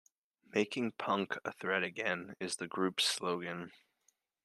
"Making punk a threat again" is the group's slogan.